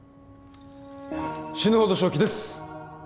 死ぬほど正気です